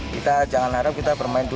kita jangan harap kita bermain